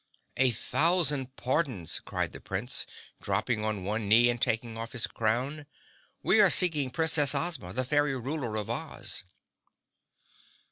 "A thousand pardons!" cried the Prince, dropping on one knee and taking off his crown. "We were seeking Princess Ozma, the Fairy Ruler of Oz."